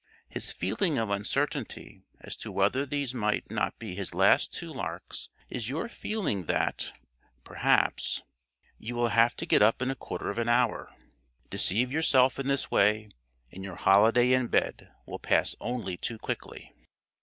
His feeling of uncertainty as to whether these might not be his last two larks is your feeling that, perhaps, you will have to get up in a quarter of an hour. Deceive yourself in this way, and your holiday in bed will pass only too quickly.